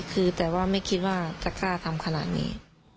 คือแต่ว่าไม่คิดว่าจะกล้าทำขนาดนี้